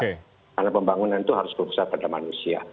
karena pembangunan itu harus berusaha pada manusia